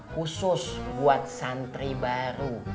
khusus buat santri baru